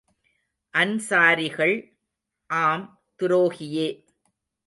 அன்ஸாரிகள், ஆம், துரோகியே!